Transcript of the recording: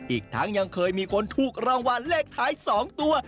อีกทั้งยังเคยมีคนถูกรางวัลเลขท้าย๒ตัว